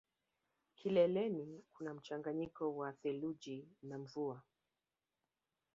Kileleni kuna mchanganyiko wa theluji na mvua